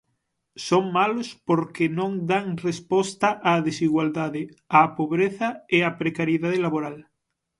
Son malos porque non dan resposta á desigualdade, á pobreza e á precariedade laboral.